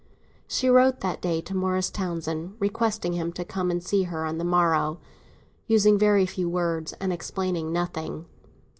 She wrote that day to Morris Townsend, requesting him to come and see her on the morrow; using very few words, and explaining nothing.